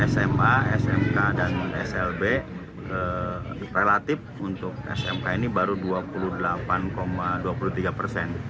sma smk dan slb relatif untuk smk ini baru dua puluh delapan persen